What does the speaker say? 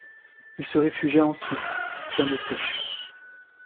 Il se réfugia en Suisse, puis en Autriche.